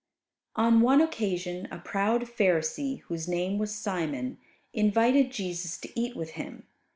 On one occasion, a proud Pharisee, whose name was Simon, invited Jesus to eat with him.